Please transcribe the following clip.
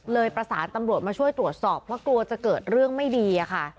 ประสานตำรวจมาช่วยตรวจสอบเพราะกลัวจะเกิดเรื่องไม่ดีอะค่ะ